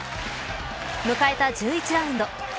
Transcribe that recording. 迎えた１１ラウンド。